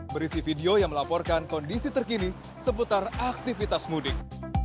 berisi video yang melaporkan kondisi terkini seputar aktivitas mudik